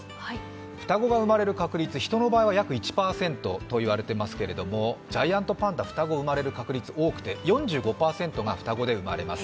双子が生まれる確率、人の場合は約１％と言われていますけれどもジャイアントパンダ、双子が産まれる可能性、多くて４５％が双子で生まれます。